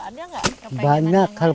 ada gak kepinginan yang lain